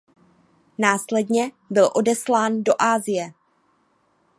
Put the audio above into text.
Následně byl odeslán do Asie.